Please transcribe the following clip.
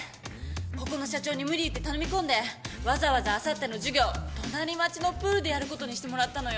ここの社長に無理言って頼み込んでわざわざあさっての授業隣町のプールでやることにしてもらったのよ。